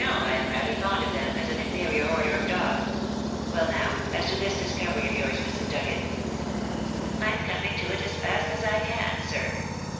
"No, I am rather fond of them, as an inferior order of dog. Well, now, as to this discovery of yours, Mrs. Dugget?" "I'm coming to it as fast as I can, sir.